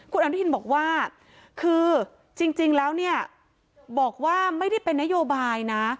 คุณอนุทินบอกว่าคือจริงแล้วเนี่ยบอกว่าไม่ได้เป็นนโยบายนะ